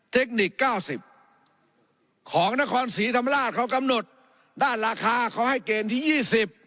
เทคนิค๙๐ของนครศรีธรรมดาเขากำหนดด้านราคาเขาให้เกณฑ์ที่๒๐